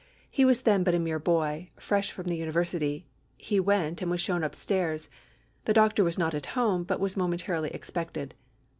He was then but a mere boy, fresh from the university.... He went, and was shown upstairs; the doctor was not at home, but was momentarily expected....